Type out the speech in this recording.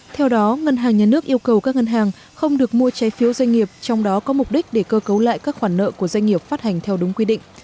theo đó ngân hàng nhà nước yêu cầu các ngân hàng không được mua trái phiếu doanh nghiệp trong đó có mục đích để cơ cấu lại các khoản nợ của doanh nghiệp phát hành theo đúng quy định